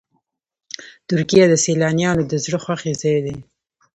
ترکیه د سیلانیانو د زړه خوښ ځای دی.